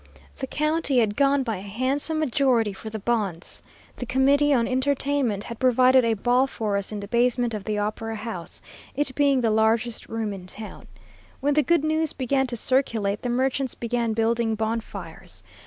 The county had gone by a handsome majority for the bonds. The committee on entertainment had provided a ball for us in the basement of the Opera House, it being the largest room in town. When the good news began to circulate, the merchants began building bonfires.